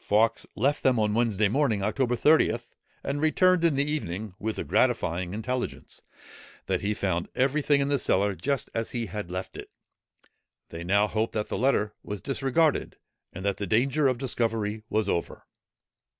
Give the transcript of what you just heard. Fawkes left them on Wednesday morning, October 30th, and returned in the evening, with the gratifying intelligence, that he found every thing in the cellar just as he had left it. They now hoped that the letter was disregarded, and that the danger of discovery was over.